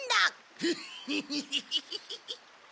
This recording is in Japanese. フフフフ。